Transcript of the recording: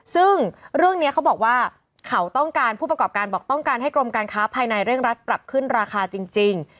ซึ่งเรื่องนี้เขาบอกว่าเขาต้องการผู้ประกอบการบอกต้องการให้กรมการค้าภายในเร่งรัดปรับขึ้นราคาจริง